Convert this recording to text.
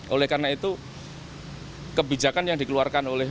oleh karena itu kebijakan yang dikeluarkan oleh